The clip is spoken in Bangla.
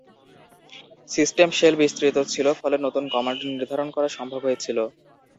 সিস্টেম শেল বিস্তৃত ছিল, ফলে নতুন কমান্ড নির্ধারণ করা সম্ভব হয়েছিল।